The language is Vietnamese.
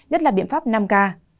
nhất là biện pháp năm k